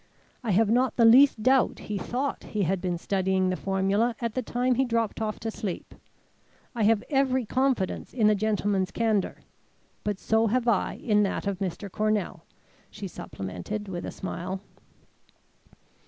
I have not the least doubt he thought he had been studying the formula at the time he dropped off to sleep. I have every confidence in the gentleman's candour. But so have I in that of Mr. Cornell," she supplemented, with a smile.